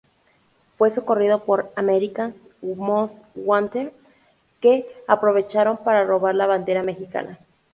Fue socorrido por "America's Most Wanted", que aprovecharon para robar la bandera mexicana.